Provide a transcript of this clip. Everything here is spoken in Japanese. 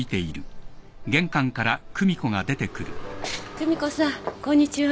・久美子さんこんにちは。